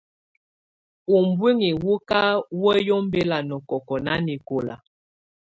Ubuinyii wù kà wǝ́yi ɔmbɛla nɔkɔkɔ̂ nanɛkɔla.